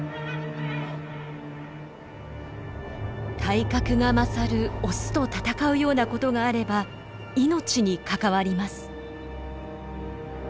体格が勝るオスと戦うようなことがあれば命に関わります。